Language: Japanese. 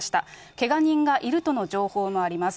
けが人がいるとの情報もあります。